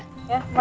setelah patah dulu